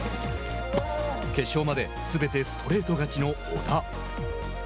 決勝まですべてストレート勝ちの小田。